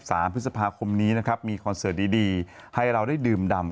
สามพฤษภาคมนี้นะครับมีคอนเสิร์ตดีดีให้เราได้ดื่มดำ